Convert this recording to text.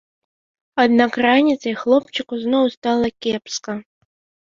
Аднак раніцай хлопчыку зноў стала кепска.